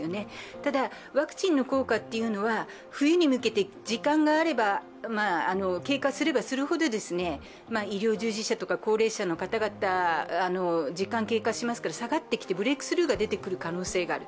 ただ、ワクチンの効果というのは冬に向けて時間があれば、経過すればするほど医療従事者や高齢者の方々、時間が経過しますから下がってきて、ブレークスルーする可能性がある。